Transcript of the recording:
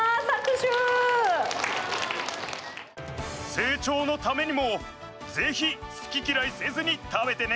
成長のためにもぜひすききらいせずにたべてね！